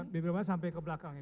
bibir mana sampai ke belakang ini